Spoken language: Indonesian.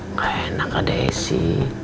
nggak enak ada esi